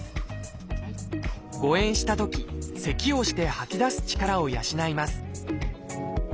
誤えんしたときせきをして吐き出す力を養います